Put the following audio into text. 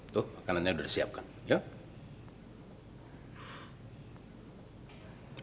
tuh makanannya sudah disiapkan yuk